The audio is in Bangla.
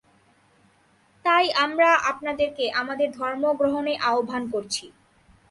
তাই আমরা আপনাদেরকে আমাদের ধর্ম গ্রহণে আহবান করছি।